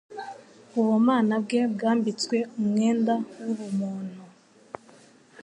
ubumana bwe bwambitswe umwenda w'ubumuntu,